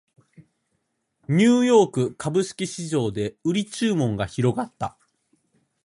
ニューヨーク株式市場で売り注文が広がった